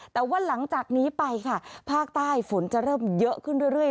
แต่ว่าหลังจากนี้ไปค่ะภาคใต้ฝนจะเริ่มเยอะขึ้นเรื่อย